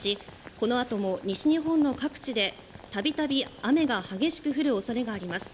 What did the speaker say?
このあとも西日本の各地で度々、雨が激しく降る恐れがあります。